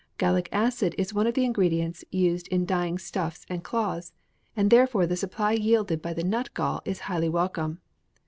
Gallic acid is one of the ingredients used in dyeing stuffs and cloths, and therefore the supply yielded by the nut gall is highly welcome.